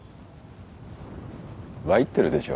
Ｙってるでしょ